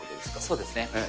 そうですね。